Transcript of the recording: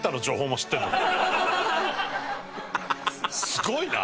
すごいな！